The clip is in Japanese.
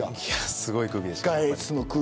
すごい空気でした。